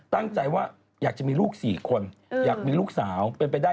ตั้งใจว่าอยากจะมีลูก๔คนอยากมีลูกสาวเป็นไปได้